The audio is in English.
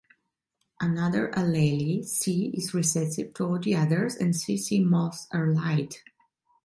Another allele, "c", is recessive to all the others, and cc moths are light.